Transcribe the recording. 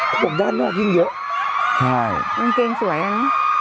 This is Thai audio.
เขาบอกด้านนอกยิ่งเยอะใช่กางเกงสวยอ่ะเนอะ